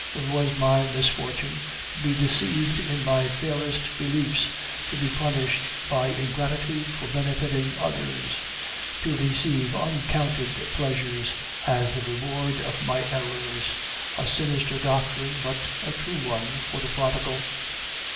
It was my misfortune to be deceived in my fairest beliefs, to be punished by ingratitude for benefiting others, and to receive uncounted pleasures as the reward of my errors a sinister doctrine, but a true one for the prodigal!